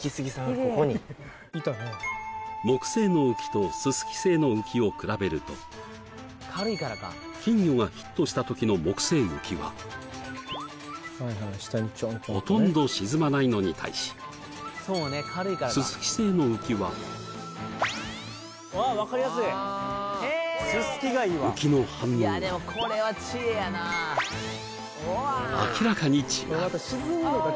ここに木製のウキとススキ製のウキを比べると金魚がヒットした時の木製ウキはほとんど沈まないのに対しススキ製のウキは分かりやすいススキがいいわウキの反応が明らかに違う